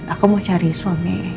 aku mau cari suami